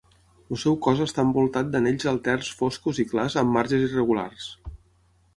El seu cos està envoltat d"anells alterns foscos i clars amb marges irregulars.